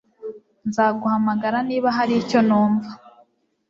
Nzaguhamagara niba hari icyo numva